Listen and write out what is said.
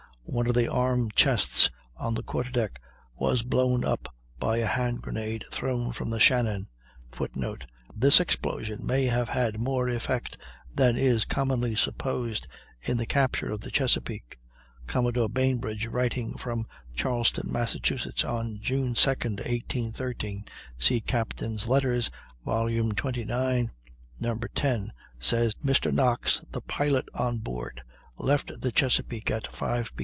One of the arm chests on the quarter deck was blown up by a hand grenade thrown from the Shannon. [Footnote: This explosion may have had more effect than is commonly supposed in the capture of the Chesapeake. Commodore Bainbridge, writing from Charleston, Mass., on June 2, 1813 (see "Captains' Letters," vol. xxix. No. 10), says: "Mr. Knox, the pilot on board, left the Chesapeake at 5 P.M.